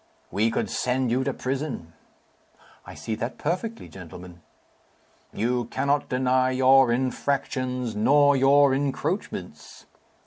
"We could send you to prison." "I see that perfectly, gentlemen." "You cannot deny your infractions nor your encroachments."